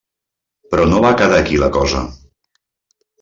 Però no va quedar aquí la cosa.